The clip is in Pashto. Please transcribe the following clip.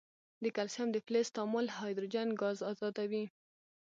د کلسیم د فلز تعامل هایدروجن ګاز آزادوي.